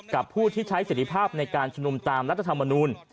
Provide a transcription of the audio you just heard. ผู้ที่ใช้สิทธิภาพในการชุมนุมตามรัฐธรรมนูล